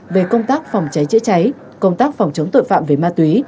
về công tác phòng cháy chữa cháy công tác phòng chống tội phạm về ma túy